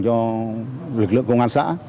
cho lực lượng công an xã